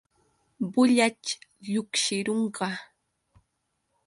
Bullaćh lluqsirunqa.